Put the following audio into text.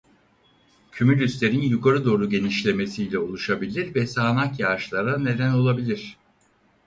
Kümülüslerin yukarı doğru genişlemesiyle oluşabilir ve sağanak yağışlara neden olabilir.